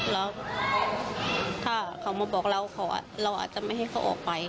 แล้วถ้าเขามาบอกเราเราอาจจะไม่ให้เขาออกไป